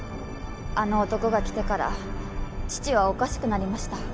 あの男が来てから父はおかしくなりました